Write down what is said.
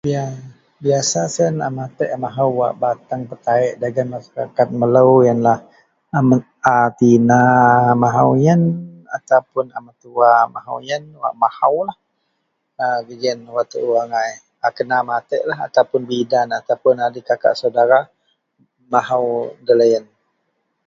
yang biasa sien wak matek a mahou bateng petaiek dagen masyarakat melou ienlah a me a tina mahou ien ataupun mentua mahou ien wak mahoulah a ji ien wak tuu agai a kena mateklah atau bidan ataupun a dikak saudara mahou deloyien